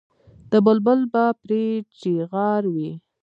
د بلبل به پرې چیغار وي.